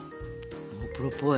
プロっぽい。